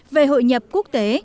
về hội nhập quốc tế